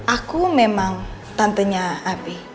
aku memang tantenya abi